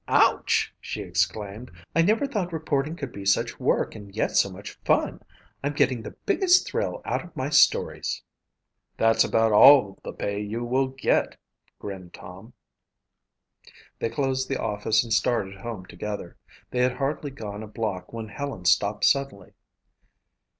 "Ouch!" she exclaimed. "I never thought reporting could be such work and yet so much fun. I'm getting the biggest thrill out of my stories." "That's about all the pay you will get," grinned Tom. They closed the office and started home together. They had hardly gone a block when Helen stopped suddenly.